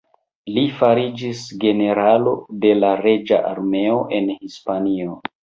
Li fariĝis generalo de la reĝa armeo de Hispanio.